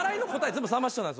全部さんま師匠なんです。